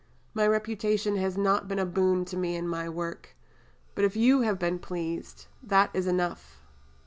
My reputation has not been a boon to me in my work; but if you have been pleased, that is enough.